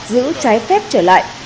giữ trái phép trở lại